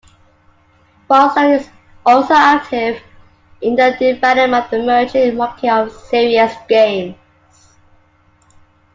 Falstein is also active in the development of the emerging market of serious games.